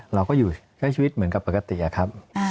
เราก็อยู่ใช้ชีวิตเหมือนกับปกติอะครับ